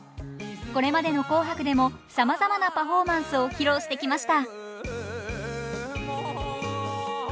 これまでの「紅白」でもさまざまなパフォーマンスを披露してきました。